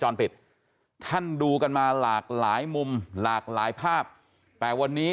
จรปิดท่านดูกันมาหลากหลายมุมหลากหลายภาพแต่วันนี้